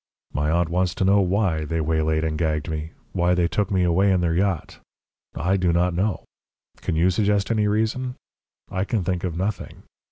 My aunt wants to know WHY they waylaid and gagged me, why they took me away in their yacht. I do not know. Can you suggest any reason? I can think of nothing.